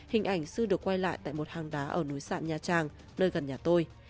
hình ảnh sư được quay lại tại một hang đá ở núi sạn nha trang nơi gần nhà tôi